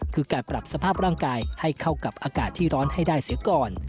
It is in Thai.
คือการปรับสภาพร่างกายให้เข้ากับอากาศที่ร้อนให้ได้เสียก่อน